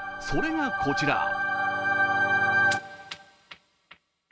それがこちら。